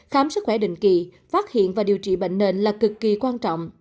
khám sức khỏe định kỳ phát hiện và điều trị bệnh nền là cực kỳ quan trọng